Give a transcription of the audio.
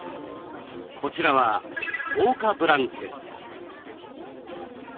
こっちは防火ブランケット。